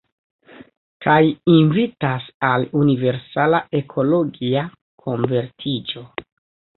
Kaj invitas al universala ekologia konvertiĝo.